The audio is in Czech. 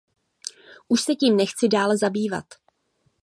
Už se tím nechci dále zabývat.